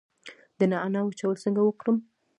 د نعناع وچول څنګه وکړم؟